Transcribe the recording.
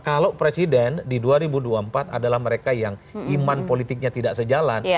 kalau presiden di dua ribu dua puluh empat adalah mereka yang iman politiknya tidak sejalan